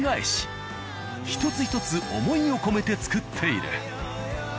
つ一つ思いを込めて作っている。